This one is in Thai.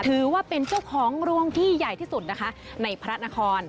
ถือว่าเป็นเจ้าของรวงที่ใหญ่ที่สุดนะคะในพระนคร